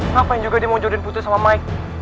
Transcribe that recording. ngapain juga dia mau jodohin putus sama mike